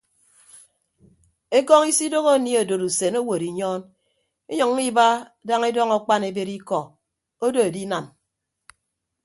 Ekọñ isidooho anie odod usen owod inyọọn inyʌññọ iba daña edọñ akpan ebed ikọ odo edinam.